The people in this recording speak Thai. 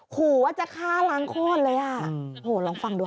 ขู่ว่าจะฆ่าล้างโคตรเลยอ่ะโอ้โหลองฟังดูค่ะ